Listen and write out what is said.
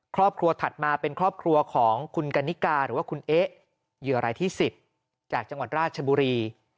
ถัดมาเป็นครอบครัวของคุณกันนิกาหรือว่าคุณเอ๊ะเหยื่อรายที่๑๐จากจังหวัดราชบุรี